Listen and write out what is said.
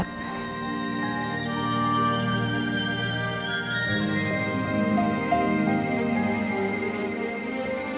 tak dear cuma sampai kelaporan